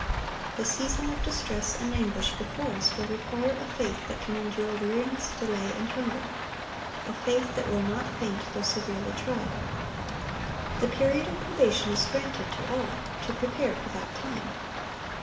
The season of distress and anguish before us will require a faith that can endure weariness, delay, and hunger,—a faith that will not faint, though severely tried. The period of probation is granted to all to prepare for that time.